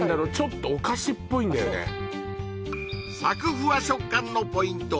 サクフワ食感のポイント